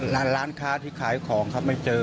ร้านค้าที่ขายของครับไม่เจอ